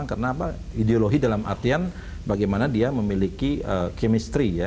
karena ideologi dalam artian bagaimana dia memiliki chemistry ya